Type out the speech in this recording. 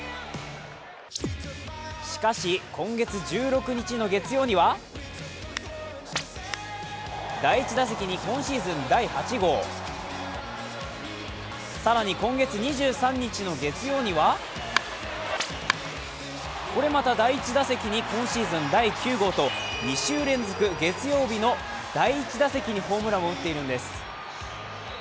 しかし、今月１６日の月曜には第１打席に今シーズン第８号、更に今シーズン２３日の月曜にはこれまた第１打席に今シーズン第９号と２週連続月曜の第１打席にホームランを打っているんです。